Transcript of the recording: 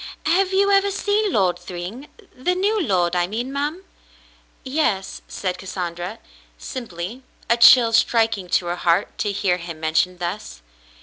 "Have you ever seen Lord Thryng — the new lord, I mean, ma'm ?" "Yes," said Cassandra, simply, a chill striking to her heart to hear him mentioned thus.